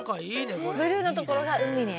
ブルーのところがうみね。